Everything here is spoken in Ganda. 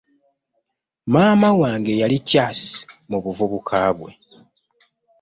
Maama wange yali kyasi mu buvubuka bwe.